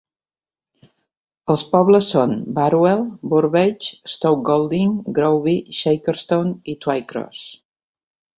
Els pobles són Barwell, Burbage, Stoke Golding, Groby, Shackerstone i Twycross.